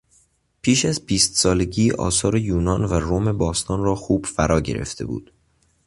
پیش از بیست سالگی آثار یونان و روم باستان را خوب فرا گرفته بود.